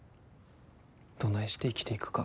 どないして生きていくか。